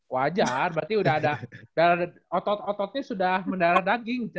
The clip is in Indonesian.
wajar berarti udah ada otot ototnya sudah mendara daging